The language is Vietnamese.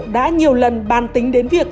đã nhiều lần bàn tính đến việc